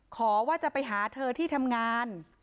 ขอว่าจะไปหาเธอที่ทำงาน